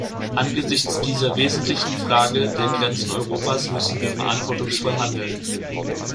Angesichts dieser wesentlichen Frage der Grenzen Europas müssen wir verantwortungsvoll handeln.